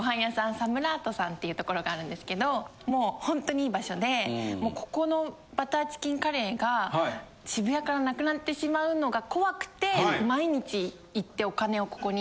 サムラートさんっていう所があるんですけどもうほんとにいい場所でもうここのバターチキンカレーが渋谷から無くなってしまうのが怖くて。